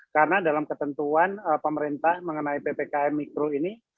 karena dalam ketentuan pemerintah mengenai ppkm mikro ini